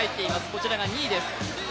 こちらが２位です。